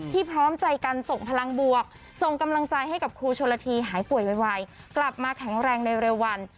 พร้อมใจกันส่งพลังบวกส่งกำลังใจให้กับครูชนละทีหายป่วยไวกลับมาแข็งแรงในเร็ววัน